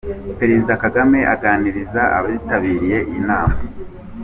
Perezida Kagame aganiriza abitabiriye iyi nama.